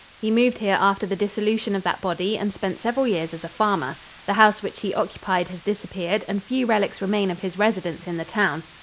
He moved here after the dissolution of that body and spent several years as a farmer. The house which he occupied has disappeared and few relics remain of his residence in the town.